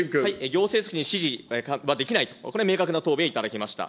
行政組織に指示はできないと、これは明確な答弁いただきました。